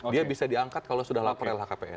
dia bisa diangkat kalau sudah lapor lhkpn